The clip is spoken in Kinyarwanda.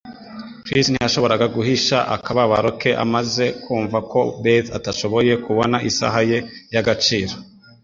Chris ntiyashoboraga guhisha akababaro ke amaze kumva ko Beth atashoboye kubona isaha ye y'agaciro